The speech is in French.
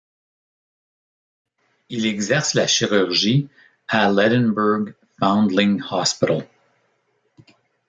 Il exerce la chirurgie à l’Edinburgh Foundling Hospital.